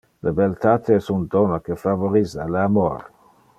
Le beltate es un dono que favorisa le amor.